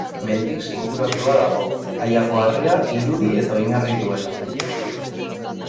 Mendiz inguratua dago, Aiako Harria irudi eta oinarri duela.